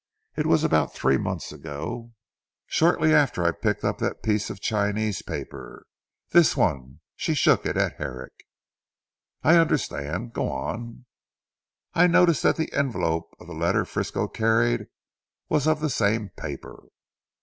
It was about three months ago, shortly after I picked up the piece of Chinese paper. This one," she shook it at Herrick. "I understand. Go on!" "I noticed that the envelope of the letter Frisco carried was of the same paper."